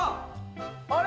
あれ？